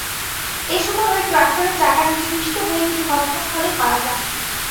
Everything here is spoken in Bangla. এ সময় ওই ট্রাক্টরের চাকার নিচে পিষ্ট হয়ে তিনি ঘটনাস্থলেই মারা যান।